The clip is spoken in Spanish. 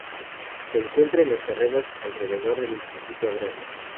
Se encuentra en los terrenos alrededor del instituto agrario.